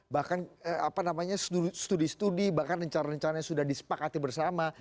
bahkan apa namanya studi studi bahkan rencana rencana yang sudah disepakati bersama